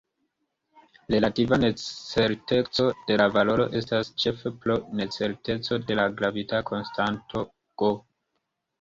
Relativa necerteco de la valoro estas ĉefe pro necerteco de la gravita konstanto "G".